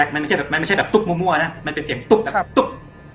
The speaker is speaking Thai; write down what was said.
มันไม่ใช่แบบตุ๊กมั่วนะมันเป็นเสียงตุ๊ก